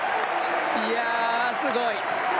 いや、すごい！